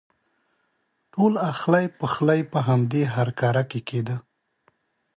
ټول اخلی پخلی په همدې هرکاره کې کېده.